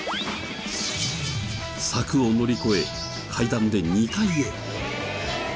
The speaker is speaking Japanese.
柵を乗り越え階段で２階へ。